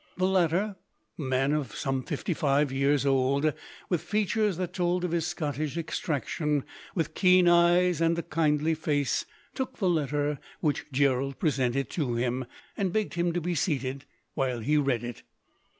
The latter, a man of some fifty five years old, with features that told of his Scottish extraction, with keen eyes and a kindly face, took the letter which Gerald presented to him, and begged him to be seated while he read it.